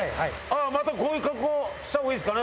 またこういう格好をした方がいいですかね？